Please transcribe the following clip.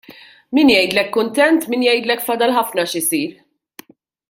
Min jgħidlek kuntent, min jgħidlek fadal ħafna xi jsir.